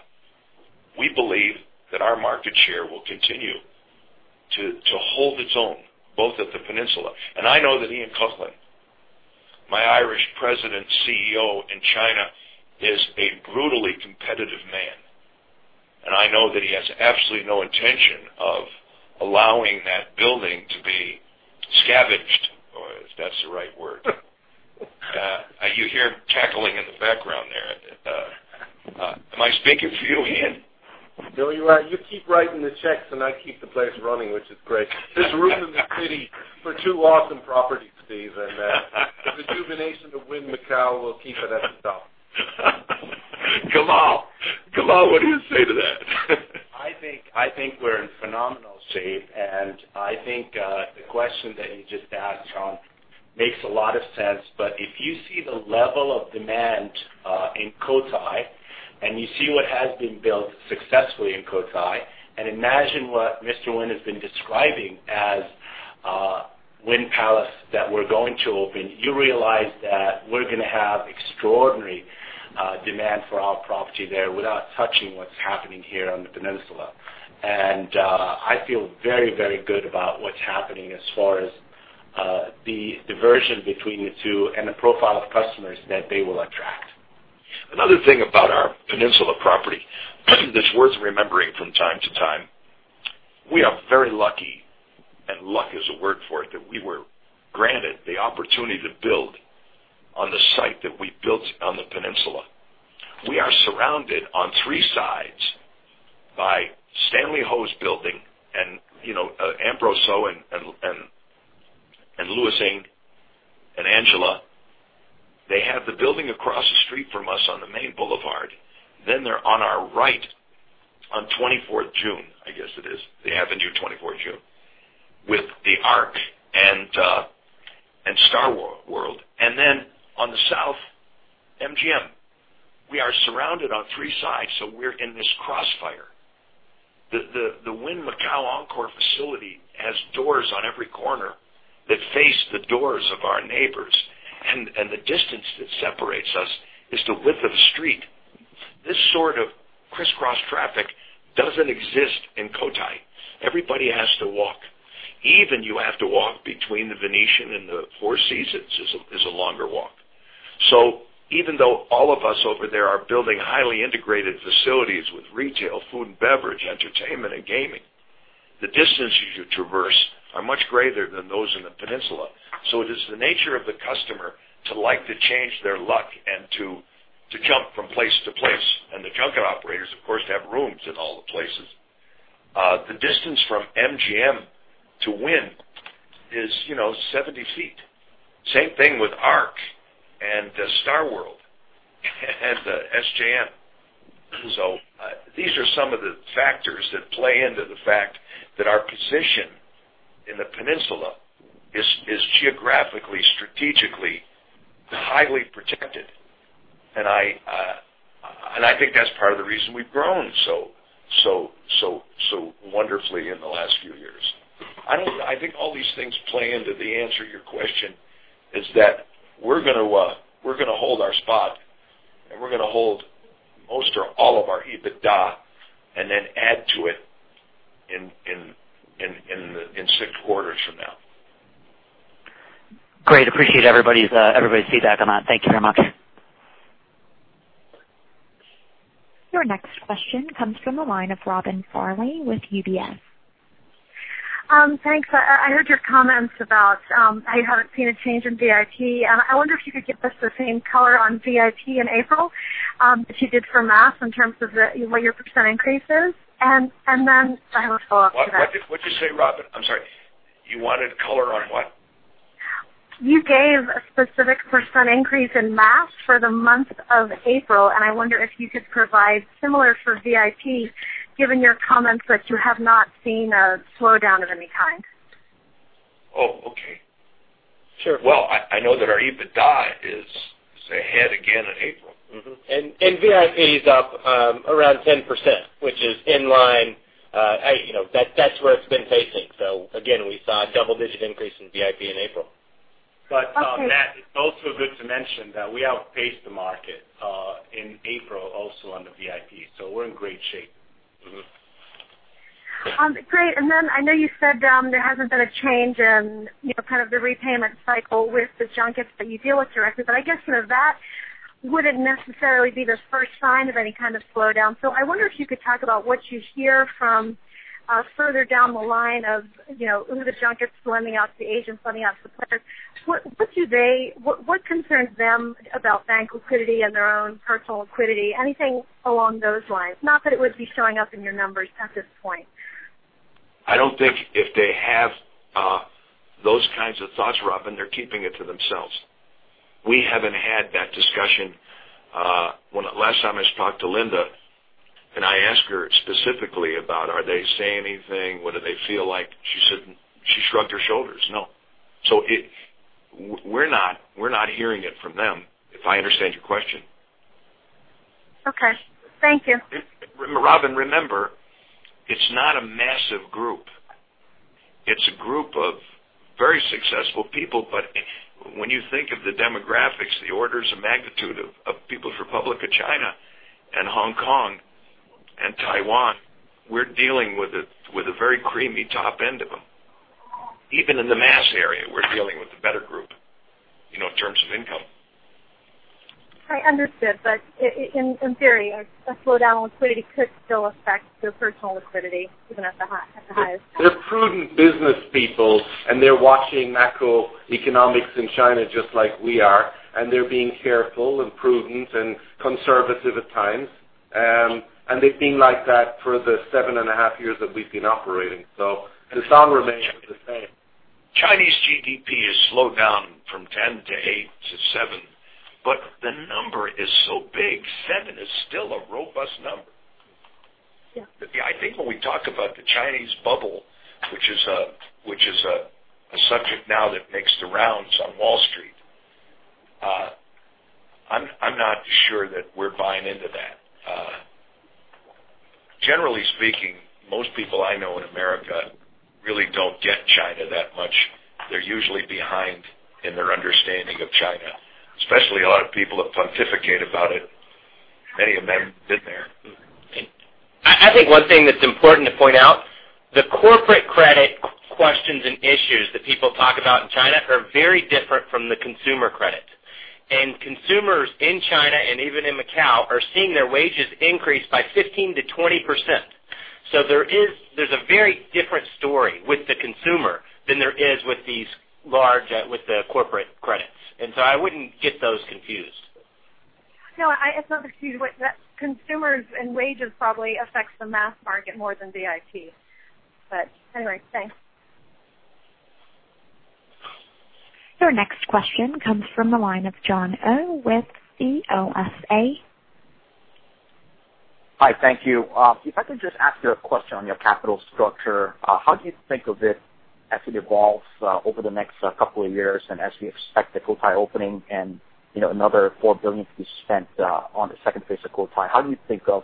we believe that our market share will continue to hold its own, both at the Peninsula. I know that Ian Coughlan, my Irish President CEO in China, is a brutally competitive man, and I know that he has absolutely no intention of allowing that building to be scavenged, if that's the right word. You hear cackling in the background there. Am I speaking for you, Ian? Steve, you keep writing the checks, I keep the place running, which is great. There's room in the city for two awesome properties, Steve, the rejuvenation of Wynn Macau will keep it at the top. Gamal, what do you say to that? I think we're in phenomenal shape, I think the question that you just asked, Shaun, makes a lot of sense. If you see the level of demand in Cotai, you see what has been built successfully in Cotai, imagine what Mr. Wynn has been describing as Wynn Palace that we're going to open, you realize that we're going to have extraordinary demand for our property there without touching what's happening here on the peninsula. I feel very good about what's happening as far as the division between the two and the profile of customers that they will attract. Another thing about our peninsula property that's worth remembering from time to time, we are very lucky, and luck is a word for it, that we were granted the opportunity to build on the site that we built on the peninsula. We are surrounded on three sides by Stanley Ho's building, and Ambrose So and Louis Ng and Angela. They have the building across the street from us on the main boulevard. They're on our right on 24 de Junho, I guess it is. They have a new 24 de Junho, with L'Arc and StarWorld. On the south, MGM. We are surrounded on three sides, so we're in this crossfire. The Wynn Macau Encore facility has doors on every corner that face the doors of our neighbors, and the distance that separates us is the width of a street. This sort of crisscross traffic doesn't exist in Cotai. Everybody has to walk. Even you have to walk between the Venetian and the Four Seasons is a longer walk. Even though all of us over there are building highly integrated facilities with retail, food and beverage, entertainment, and gaming, the distances you traverse are much greater than those in the peninsula. It is the nature of the customer to like to change their luck and to jump from place to place. The junket operators, of course, have rooms in all the places. The distance from MGM to Wynn is 70 feet. Same thing with L'Arc and StarWorld and SJM. These are some of the factors that play into the fact that our position in the peninsula is geographically, strategically, highly protected. I think that's part of the reason we've grown so wonderfully in the last few years. I think all these things play into the answer to your question is that we're going to hold our spot, and we're going to hold most or all of our EBITDA and then add to it in six quarters from now. Great. Appreciate everybody's feedback on that. Thank you very much. Your next question comes from the line of Robin Farley with UBS. Thanks. I heard your comments about how you haven't seen a change in VIP. I wonder if you could give us the same color on VIP in April that you did for mass in terms of what your % increase is, and then I have a follow-up to that. What'd you say, Robin? I'm sorry. You wanted color on what? You gave a specific % increase in mass for the month of April, and I wonder if you could provide similar for VIP, given your comments that you have not seen a slowdown of any kind. Oh, okay. Sure. I know that our EBITDA is ahead again in April. VIP is up around 10%, which is in line. That's where it's been pacing. Again, we saw a double-digit increase in VIP in April. Okay. Matt, it's also good to mention that we outpaced the market in April also on the VIP, we're in great shape. Great. I know you said there hasn't been a change in kind of the repayment cycle with the junkets that you deal with directly, I guess that wouldn't necessarily be the first sign of any kind of slowdown. I wonder if you could talk about what you hear from further down the line of the junkets lending out to the agents, lending out to the players. What concerns them about bank liquidity and their own personal liquidity? Anything along those lines, not that it would be showing up in your numbers at this point. I don't think if they have those kinds of thoughts, Robin, they're keeping it to themselves. We haven't had that discussion. Last time I talked to Linda, and I asked her specifically about, are they saying anything? What do they feel like? She shrugged her shoulders. No. We're not hearing it from them, if I understand your question. Okay. Thank you. Robin, remember, it's not a massive group. It's a group of very successful people. When you think of the demographics, the orders of magnitude of People's Republic of China and Hong Kong and Taiwan, we're dealing with a very creamy top end of them. Even in the mass area, we're dealing with the better group in terms of income. I understood, in theory, a slowdown in liquidity could still affect their personal liquidity, even at the highest. They're prudent business people, they're watching macroeconomics in China just like we are, they're being careful and prudent and conservative at times. They've been like that for the seven and a half years that we've been operating. The sound remains the same. Chinese GDP has slowed down from 10 to eight to seven, the number is so big, seven is still a robust number. Yeah. I think when we talk about the Chinese bubble, which is a subject now that makes the rounds on Wall Street, I'm not sure that we're buying into that. Generally speaking, most people I know in America really don't get China that much. They're usually behind in their understanding of China, especially a lot of people who pontificate about it. Many of them have been there. I think one thing that's important to point out, the corporate credit questions and issues that people talk about in China are very different from the consumer credit. Consumers in China and even in Macau are seeing their wages increase by 15%-20%. There's a very different story with the consumer than there is with the corporate credits. I wouldn't get those confused. No, it's not confused. Consumers and wages probably affects the mass market more than VIP. Anyway, thanks. Your next question comes from the line of Jon Oh with CLSA. Hi. Thank you. If I could just ask you a question on your capital structure. How do you think of it as it evolves over the next couple of years and as we expect the Cotai opening and another $4 billion to be spent on the second phase of Cotai? How do you think of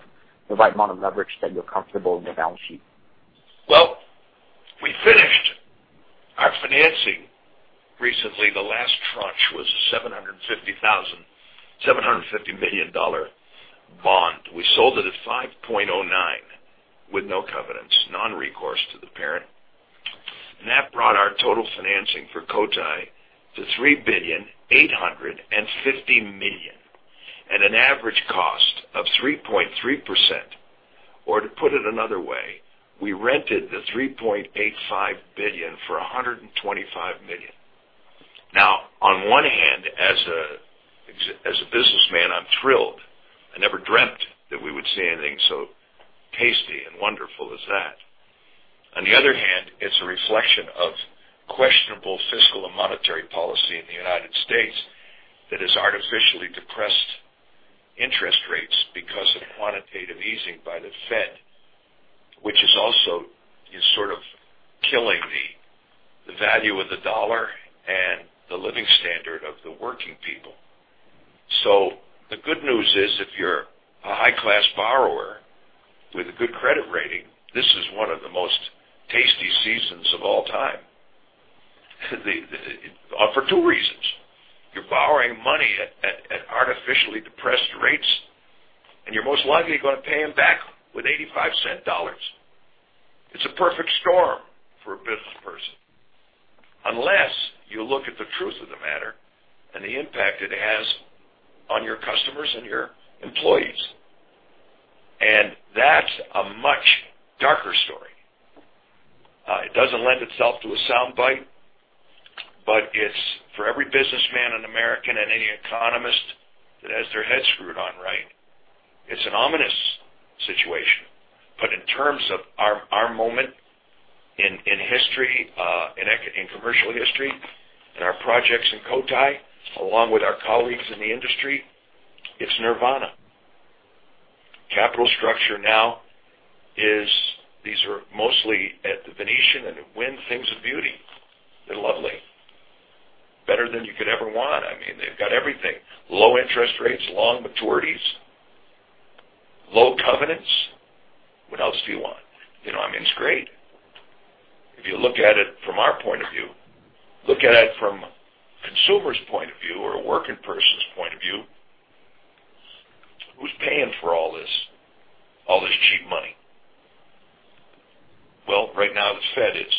the right amount of leverage that you're comfortable in your balance sheet? Well, we finished our financing recently. The last tranche was a $750 million bond. We sold it at 5.09% with no covenants, non-recourse to the parent. That brought our total financing for Cotai to $3.85 billion at an average cost of 3.3%, or to put it another way, we rented the $3.85 billion for $125 million. Now, on one hand, as a businessman, I'm thrilled. I never dreamt that we would see anything so tasty and wonderful as that. On the other hand, it's a reflection of questionable fiscal and monetary policy in the United States that has artificially depressed interest rates because of quantitative easing by the Fed, which is also sort of killing the value of the dollar and the living standard of the working people. The good news is, if you're a high-class borrower with a good credit rating, this is one of the most tasty seasons of all time. For two reasons. You're borrowing money at artificially depressed rates, and you're most likely going to pay them back with $0.85 dollars. It's a perfect storm for a business person. Unless you look at the truth of the matter and the impact it has on your customers and your employees. That's a much darker story. It doesn't lend itself to a soundbite, but it's for every businessman and American and any economist that has their head screwed on right, it's an ominous situation. In terms of our moment in commercial history and our projects in Cotai, along with our colleagues in the industry, it's nirvana. Capital structure now is, these are mostly at The Venetian and at Wynn, things of beauty. They're lovely. Better than you could ever want. They've got everything. Low interest rates, long maturities, low covenants. What else do you want? It's great. If you look at it from our point of view, look at it from a consumer's point of view or a working person's point of view, who's paying for all this cheap money? Well, right now, the Fed is.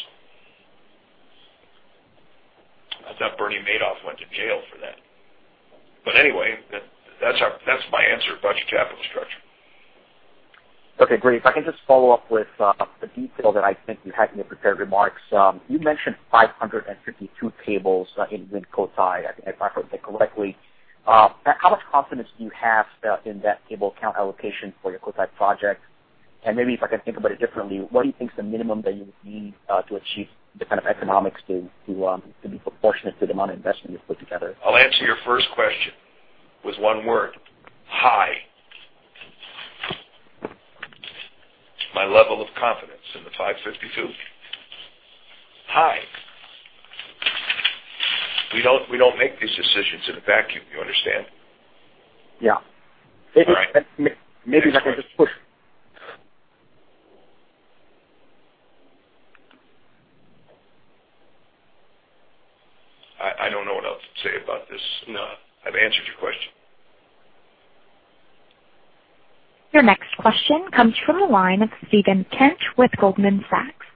I thought Bernie Madoff went to jail for that. Anyway, that's my answer about your capital structure. Okay, great. If I can just follow up with the detail that I think you had in your prepared remarks. You mentioned 552 tables in Wynn Cotai, if I heard that correctly. How much confidence do you have in that table count allocation for your Cotai project? Maybe if I can think about it differently, what do you think is the minimum that you would need to achieve the kind of economics to be proportionate to the amount of investment you've put together? I'll answer your first question with one word. High. My level of confidence in the 552. High. We don't make these decisions in a vacuum, you understand? Yeah. All right. Maybe if I could just push- I don't know what else to say about this. No. I've answered your question. Your next question comes from the line of Steven Kent with Goldman Sachs.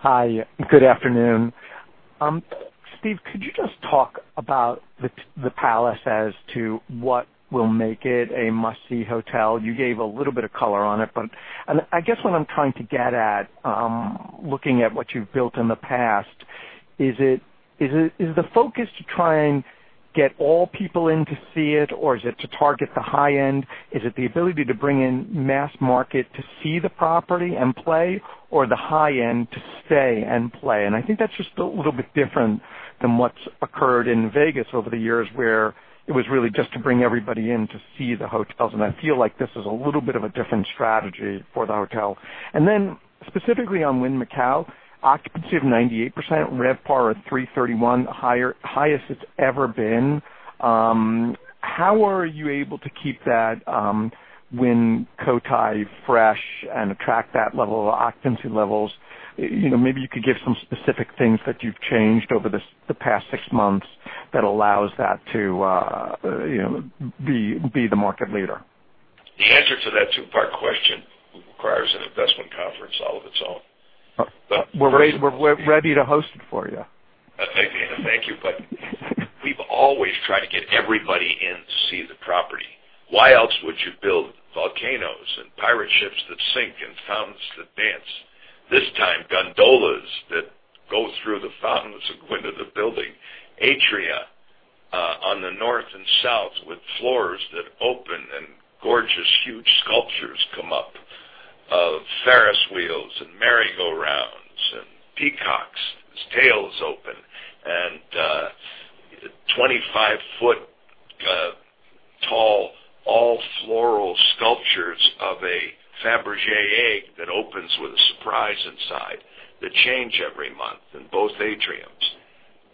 Hi, good afternoon. Steve, could you just talk about the Palace as to what will make it a must-see hotel? You gave a little bit of color on it, but I guess what I'm trying to get at, looking at what you've built in the past, is the focus to try and get all people in to see it, or is it to target the high end? Is it the ability to bring in mass market to see the property and play, or the high end to stay and play? I think that's just a little bit different than what's occurred in Vegas over the years, where it was really just to bring everybody in to see the hotels, and I feel like this is a little bit of a different strategy for the hotel. Specifically on Wynn Macau, occupancy of 98%, RevPAR of $331, highest it's ever been. How are you able to keep that Wynn Palace fresh and attract that level of occupancy levels? Maybe you could give some specific things that you've changed over the past six months that allows that to be the market leader. The answer to that two-part question requires an investment conference all of its own. We're ready to host it for you. Thank you. We've always tried to get everybody in to see the property. Why else would you build volcanoes and pirate ships that sink and fountains that dance? This time, gondolas that go through the fountains and go into the building, atria on the north and south with floors that open and gorgeous, huge sculptures come up of Ferris wheels and merry-go-rounds and peacocks, whose tails open, and 25-foot tall all-floral sculptures of a Fabergé egg that opens with a surprise inside that change every month in both atriums.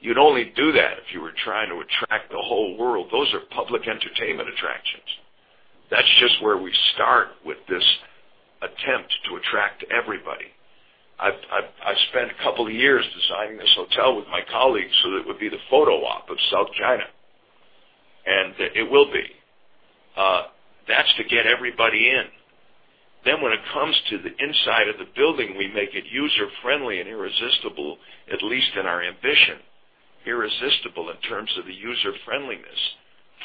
You'd only do that if you were trying to attract the whole world. Those are public entertainment attractions. That's just where we start with this attempt to attract everybody. I've spent a couple of years designing this hotel with my colleagues, so that it would be the photo op of South China, and it will be. That's to get everybody in. When it comes to the inside of the building, we make it user-friendly and irresistible, at least in our ambition, irresistible in terms of the user-friendliness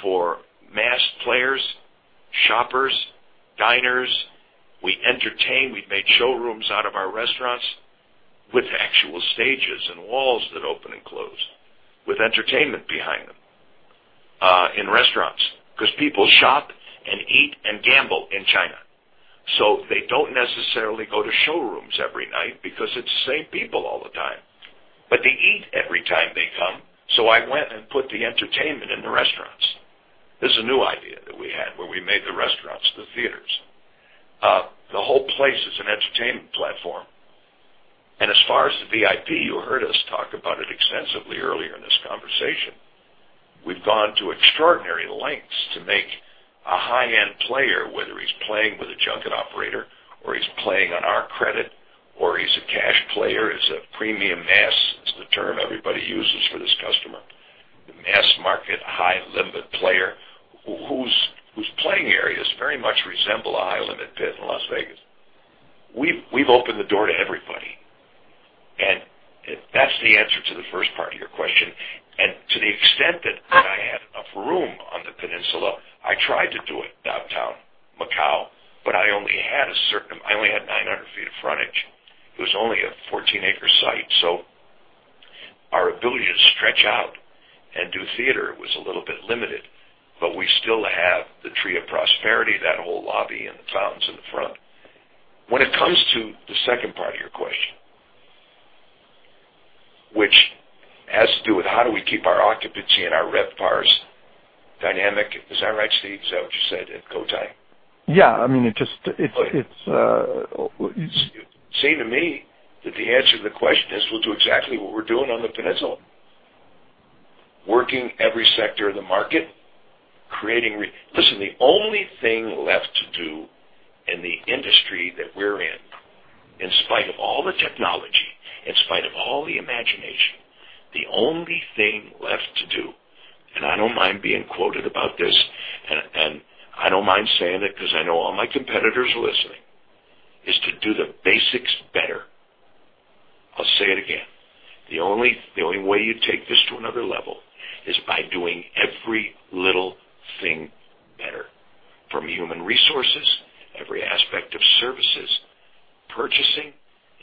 for mass players, shoppers, diners. We entertain. We've made showrooms out of our restaurants with actual stages and walls that open and close, with entertainment behind them in restaurants because people shop and eat and gamble in China. They don't necessarily go to showrooms every night because it's the same people all the time. They eat every time they come, so I went and put the entertainment in the restaurants. This is a new idea that we had, where we made the restaurants the theaters. The whole place is an entertainment platform. As far as the VIP, you heard us talk about it extensively earlier in this conversation. We've gone to extraordinary lengths to make a high-end player, whether he's playing with a junket operator or he's playing on our credit, or he's a cash player, he's a premium mass, is the term everybody uses for this customer. The mass-market, high-limit player whose playing areas very much resemble a high-limit pit in Las Vegas. We've opened the door to everybody. That's the answer to the first part of your question. To the extent that I had enough room on the Peninsula, I tried to do it, downtown Macau, but I only had 900 feet of frontage. It was only a 14-acre site, so our ability to stretch out and do theater was a little bit limited, but we still have the Tree of Prosperity, that whole lobby, and the fountains in the front. When it comes to the second part of your question, which has to do with how do we keep our occupancy and our RevPAR dynamic. Is that right, Steve? Is that what you said at Cotai? Yeah. It would seem to me that the answer to the question is we'll do exactly what we're doing on the Peninsula. Working every sector of the market. Listen, the only thing left to do in the industry that we're in spite of all the technology, in spite of all the imagination, the only thing left to do, and I don't mind being quoted about this, and I don't mind saying it because I know all my competitors are listening, is to do the basics better. I'll say it again. The only way you take this to another level is by doing every little thing better. From human resources, every aspect of services, purchasing,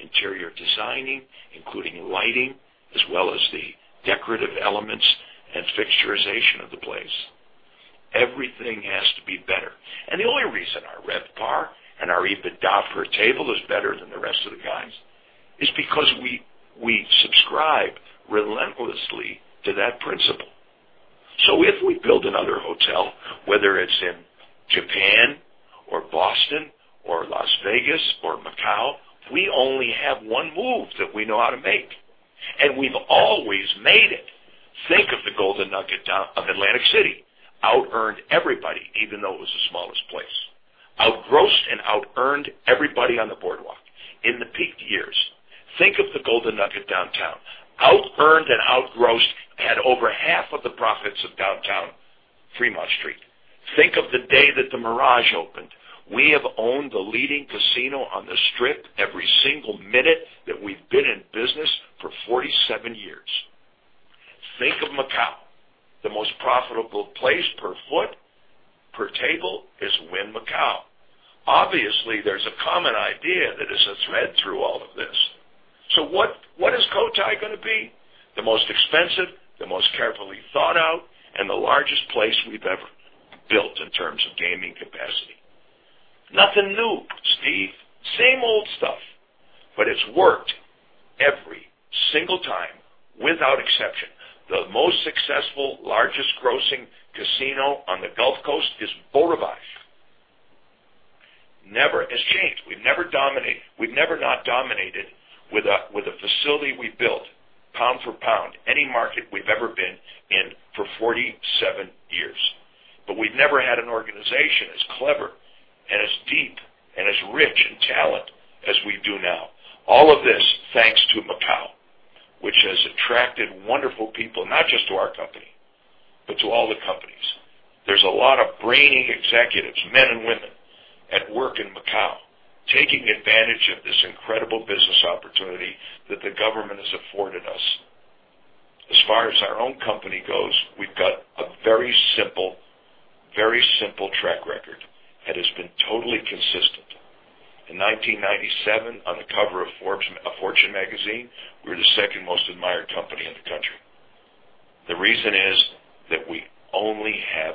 interior designing, including lighting, as well as the decorative elements and fixturization of the place. Everything has to be better. The only reason our RevPAR and our EBITDA per table is better than the rest of the guys is because we subscribe relentlessly to that principle. If we build another hotel, whether it's in Japan or Boston or Las Vegas or Macau, we only have one move that we know how to make, and we've always made it. Think of the Golden Nugget of Atlantic City. Out-earned everybody, even though it was the smallest place. Out-gross and out-earned everybody on the boardwalk in the peak years. Think of the Golden Nugget downtown. Out-earned and out-grossed, had over half of the profits of downtown Fremont Street. Think of the day that The Mirage opened. We have owned the leading casino on the Strip every single minute that we've been in business for 47 years. Think of Macau. The most profitable place per foot, per table, is Wynn Macau. Obviously, there's a common idea that is a thread through all of this. What is Cotai going to be? The most expensive, the most carefully thought out, and the largest place we've ever built in terms of gaming capacity. Nothing new, Steve. Same old stuff. It's worked every single time without exception. The most successful, largest grossing casino on the Gulf Coast is Beau Rivage. Never has changed. We've never not dominated with a facility we've built, pound for pound, any market we've ever been in for 47 years. We've never had an organization as clever and as deep and as rich in talent as we do now. All of this, thanks to Macau, which has attracted wonderful people, not just to our company, but to all the companies. There's a lot of brainy executives, men and women, at work in Macau, taking advantage of this incredible business opportunity that the government has afforded us. As far as our own company goes, we've got a very simple track record that has been totally consistent. In 1997, on the cover of Fortune magazine, we were the second most admired company in the country. The reason is that we only have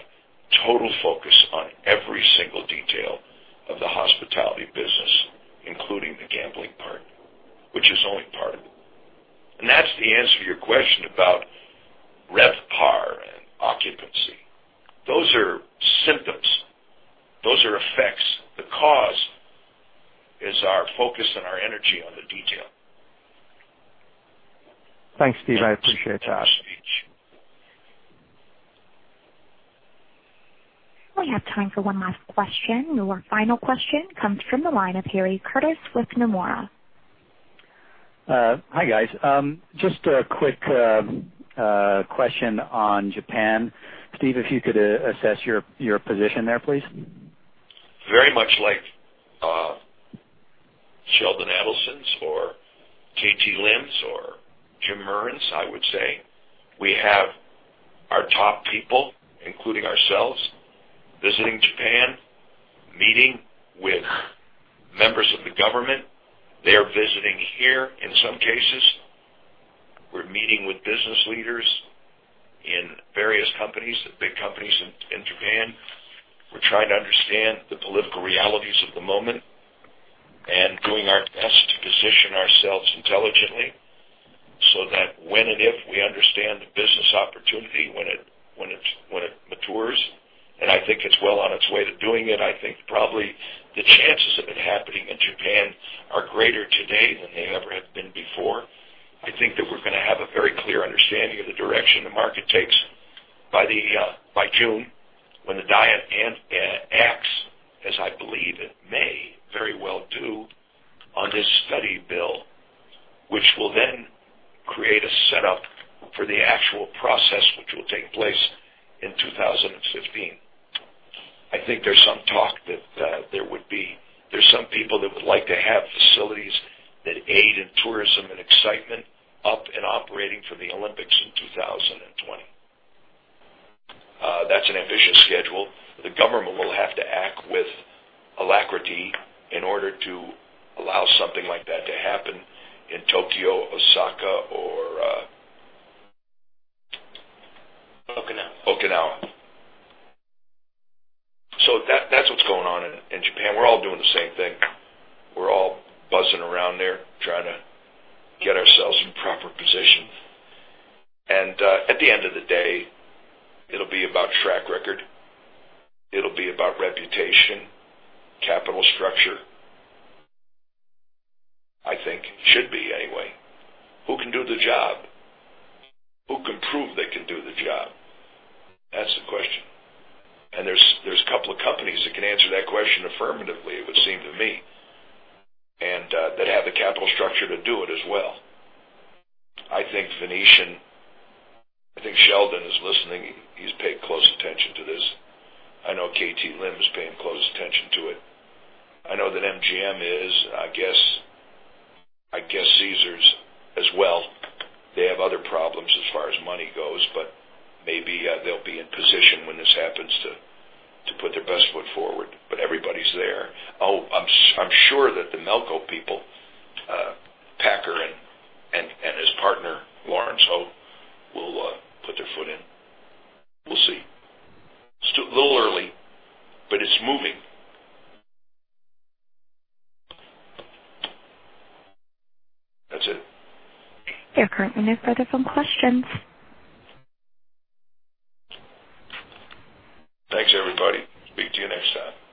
total focus on every single detail of the hospitality business, including the gambling part, which is only part of it. That's the answer to your question about RevPAR and occupancy. Those are symptoms. Those are effects. The cause is our focus and our energy on the detail. Thanks, Steve. I appreciate your time. Thanks, Steve. We have time for one last question. Your final question comes from the line of Harry Curtis with Nomura. Hi, guys. Just a quick question on Japan. Steve, if you could assess your position there, please. Very much like Sheldon Adelson's or K.T. Lim's or Jim Murren's, I would say. We have our top people, including ourselves, visiting Japan, meeting with members of the government. They are visiting here in some cases. We're meeting with business leaders in various companies, the big companies in Japan. We're trying to understand the political realities of the moment and doing our best to position ourselves intelligently so that when and if we understand the business opportunity, I think it's well on its way to doing it. I think probably the chances of it happening in Japan are greater today than they ever have been before. I think that we're going to have a very clear understanding of the direction the market takes by June, when the Diet acts, as I believe it may very well do, on this study bill, which will then create a setup for the actual process which will take place in 2015. I think there's some talk that there's some people that would like to have facilities that aid in tourism and excitement up and operating for the Olympics in 2020. That's an ambitious schedule. The government will have to act with alacrity in order to allow something like that to happen in Tokyo, Osaka, or- Okinawa Okinawa. That's what's going on in Japan. We're all doing the same thing. We're all buzzing around there, trying to get ourselves in proper position. At the end of the day, it'll be about track record. It'll be about reputation, capital structure. I think it should be anyway. Who can do the job? Who can prove they can do the job? That's the question. There's a couple of companies that can answer that question affirmatively, it would seem to me, and that have the capital structure to do it as well. I think The Venetian, I think Sheldon is listening. He's paying close attention to this. I know K.T. Lim is paying close attention to it. I know that MGM is, I guess Caesars as well. They have other problems as far as money goes. Maybe they'll be in position when this happens to put their best foot forward. Everybody's there. I'm sure that the Melco people, Packer and his partner Lawrence Ho, will put their foot in. We'll see. Still a little early, it's moving. That's it. There are currently no further phone questions. Thanks, everybody. Speak to you next time.